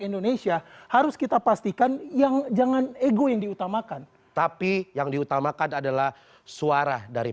indonesia harus kita pastikan yang jangan ego yang diutamakan tapi yang diutamakan adalah suara dari